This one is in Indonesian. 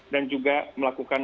dan juga melakukan